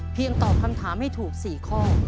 เพียงตอบคำถามให้ถูก๔ข้อมูล